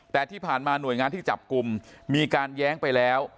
แต่ที่ผ่านมาหน่วยงานที่จับกลุ่มมีการแย้งไปแล้ว